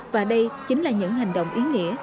và đây chính là những hành động ý nghĩa